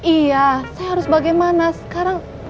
iya saya harus bagaimana sekarang